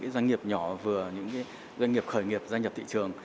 doanh nghiệp nhỏ vừa doanh nghiệp khởi nghiệp doanh nghiệp thị trường